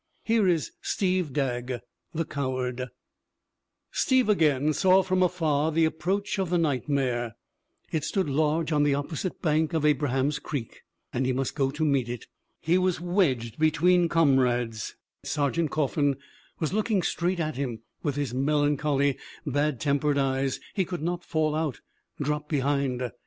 Here is Steve Dagg, the coward : "Steve again saw from afar the approach of the nightmare. It stood large on the opposite bank of Abraham's Creek, and he must go to meet it. He was wedged between comrades Sergeant Coffin was looking straight at him with his melancholy, bad tem pered eyes he could not fall out, drop behind!